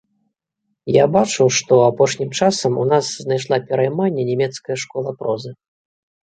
Я бачу, што апошнім часам у нас знайшла перайманне нямецкая школа прозы.